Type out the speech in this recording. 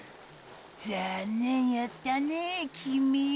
残念やったねキミ。